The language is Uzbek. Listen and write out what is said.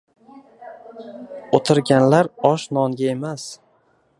Oʻtirganlar osh-nonga emas